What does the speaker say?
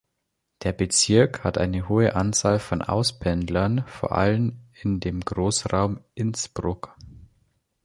Der Bezirk hat eine hohe Anzahl von Auspendlern, vor allem in den Großraum Innsbruck.